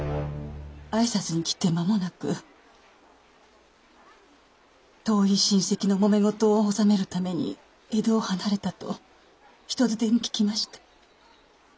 挨拶に来て間もなく遠い親戚のもめ事を収めるために江戸を離れたと人づてに聞きました。